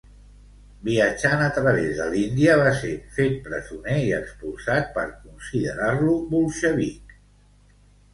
Viatjant a través de l'Índia, va ser fet presoner i expulsat per considerar-lo bolxevic.